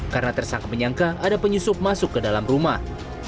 karena tersangka menyangka ada penyusup masuk ke dalam rumah